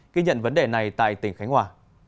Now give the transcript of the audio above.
ghi nhận vấn đề này tại tỉnh khánh hòa